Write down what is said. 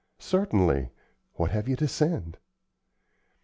"Certainly; what have you to send?"